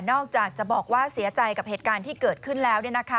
อกจากจะบอกว่าเสียใจกับเหตุการณ์ที่เกิดขึ้นแล้ว